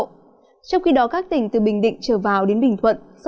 trong khi đó các tỉnh từ bình định trở vào đến bình thuận do làm sao